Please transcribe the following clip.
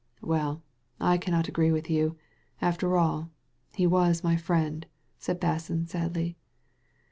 Well, I cannot agree with you ; after all, he was my friend/' said Basson, sadly.